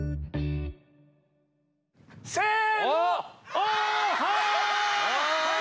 せの！